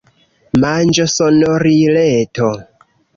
Manĝosonorileto.